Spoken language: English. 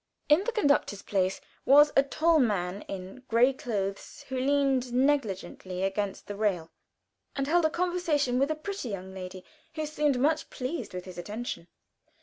In the conductor's place was a tall man in gray clothes, who leaned negligently against the rail, and held a conversation with a pretty young lady who seemed much pleased with his attention.